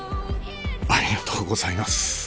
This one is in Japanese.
ありがとうございます